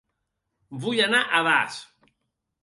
Vull anar a Das